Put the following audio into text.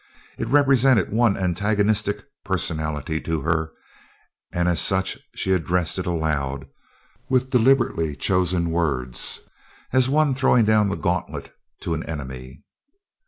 It represented one antagonistic personality to her, and as such she addressed it aloud, with deliberately chosen words, as one throwing down the gauntlet to an enemy.